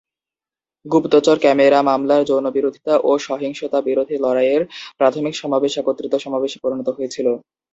গুপ্তচর ক্যামেরা মামলার যৌন-বিরোধীতা ও সহিংসতা -বিরোধী লড়াইয়ের প্রাথমিক সমাবেশ একত্রীত সমাবেশে পরিণত হয়েছিল।